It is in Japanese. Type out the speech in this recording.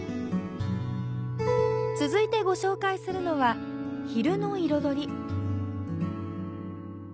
続いてご紹介するのは、昼の彩り。